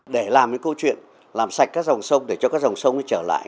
để làm cái câu chuyện làm sạch các dòng sông để cho các dòng sông ấy trở lại